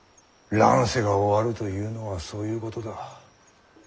乱世が終わるというのはそういうことだ。